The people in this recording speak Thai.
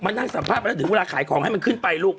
มานั่งสัมภาษณ์ไปแล้วถึงเวลาขายของให้มันขึ้นไปลุก